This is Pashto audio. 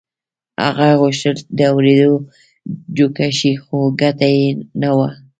هغه غوښتل د اورېدو جوګه شي خو ګټه يې نه وه.